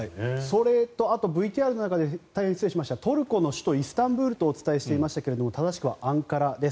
それと、ＶＴＲの中で大変失礼いたしましたトルコの首都イスタンブールとお伝えしていましたが正しくはアンカラです。